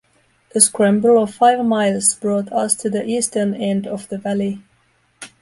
A scramble of five miles brought us to the eastern end of the valley.